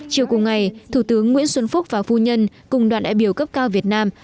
chiều cùng ngày thủ tướng nguyễn xuân phúc và phu nhân cùng đoàn đại biểu cấp cao việt nam